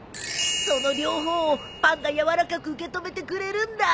その両方をパンが柔らかく受け止めてくれるんだ。